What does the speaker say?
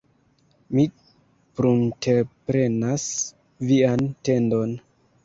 Mi prunteprenas vian tendon.